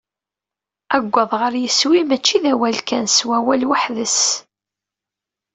Aggaḍ ɣer yiswi, mačči d awal kan, s wawal weḥd-s.